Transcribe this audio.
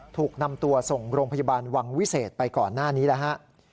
ถูกนำตัวส่งโรงพยาบาลวังวิเศษไปก่อนหน้านี้แล้วฮะ